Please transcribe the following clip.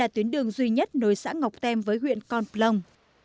tèm với huyện con plông